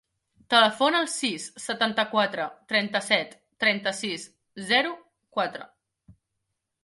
Telefona al sis, setanta-quatre, trenta-set, trenta-sis, zero, quatre.